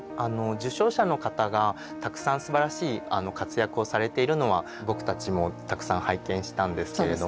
受賞者の方がたくさんすばらしい活躍をされているのは僕たちもたくさん拝見したんですけれども。